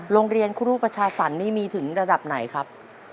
โรงเรียนครูรุประชาสันนี่มีถึงระดับไหนครับ